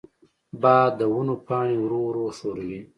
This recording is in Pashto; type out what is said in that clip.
باد د ونو پاڼې ورو ورو ښوروي.